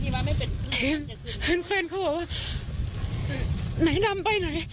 พี่ว่าไม่เป็นเห็นเห็นแฟนเขาบอกว่าไหนนำไปไหน